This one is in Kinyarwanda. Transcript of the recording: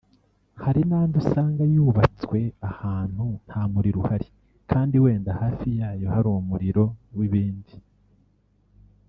hari n’andi usanga yubatswe ahantu nta muriro uhari kandi wenda hafi yayo hari umuriro n’ibindi